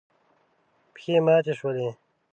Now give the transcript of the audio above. پښې ماتې شولې.